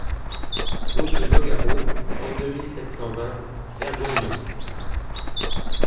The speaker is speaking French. Route de Nogaro, trente-deux mille sept cent vingt Vergoignan